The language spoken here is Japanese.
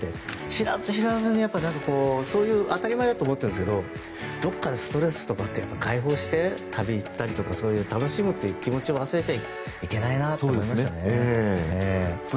知らず知らずにそういう当たり前だと思ってたんですけどどこかでストレスとか解放して旅に行ったりとか楽しむ気持ちを忘れちゃいけないと思いました。